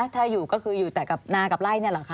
ถ้าอยู่ก็คืออยู่แต่กับนากับไล่นี่แหละค่ะ